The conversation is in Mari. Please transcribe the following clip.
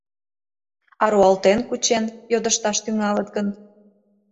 А руалтен кучен, йодышташ тӱҥалыт гын?